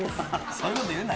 そういうこと言うな！